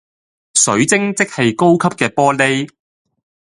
水晶即係高級嘅玻璃